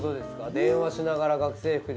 電話しながら学生服。